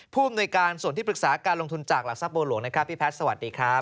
ผู้อำนวยการส่วนที่ปรึกษาการลงทุนจากหลักทรัพย์บัวหลวงนะครับพี่แพทย์สวัสดีครับ